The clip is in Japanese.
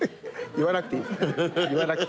言わなくていい。